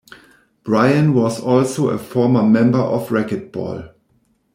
Brian was also a former member of Racketball.